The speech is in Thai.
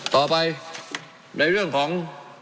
ต่อไปในเรื่องของ